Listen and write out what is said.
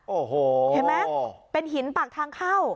โอ้โหเห็นไหมเป็นหินปากทางเข้า